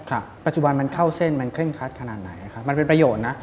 ปัจจุบันมันเข้าเส้นมันเคร่งคัดขนาดไหนครับมันเป็นประโยชน์นะ